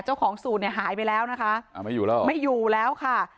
เจ้าของสูตรเนี่ยหายไปแล้วนะคะอ่าไม่อยู่แล้วไม่อยู่แล้วค่ะ